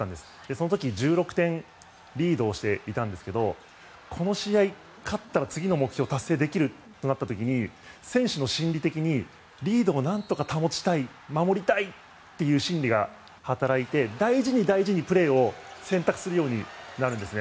その時、１６点リードをしていたんですけどこの試合に勝ったら次の目標を達成できるとなった時に選手の心理的にリードをなんとか保ちたい守りたいっていう心理が働いて大事に大事にプレーを選択するようになるんです。